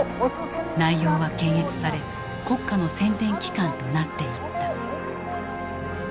内容は検閲され国家の宣伝機関となっていった。